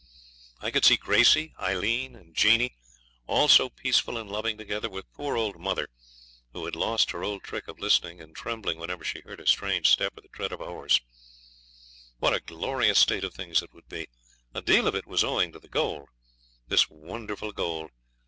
I could see Gracey, Aileen, and Jeanie, all so peaceful and loving together, with poor old mother, who had lost her old trick of listening and trembling whenever she heard a strange step or the tread of a horse. What a glorious state of things it would be! A deal of it was owing to the gold. This wonderful gold!